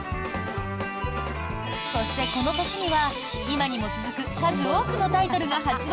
そしてこの年には、今にも続く数多くのタイトルが発売。